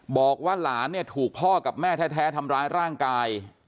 บอกว่าหลานเนี่ยถูกพ่อกับแม่แท้ทำร้ายร่างกาย